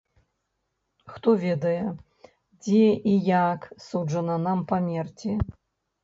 Хто ведае, дзе і як суджана нам памерці?